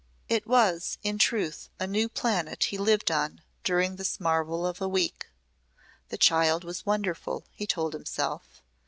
It was in truth a new planet he lived on during this marvel of a week. The child was wonderful, he told himself.